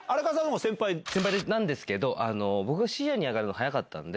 先輩なんですけど僕がシニアに上がるのが早かったんで。